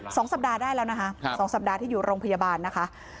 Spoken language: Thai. สองสัปดาห์ได้แล้วนะคะครับสองสัปดาห์ที่อยู่โรงพยาบาลนะคะ